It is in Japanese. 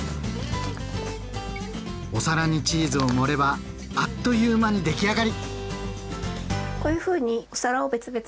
お皿にチーズを盛ればあっという間に出来上がり！